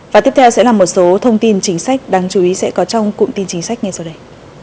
và tiếp theo sẽ là một số thông tin chính sách đáng chú ý sẽ có trong cụm tin chính sách ngay sau đây